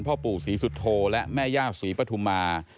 พ่อปู่ศรีสุโธและแม่ย่าศรีปฐุมา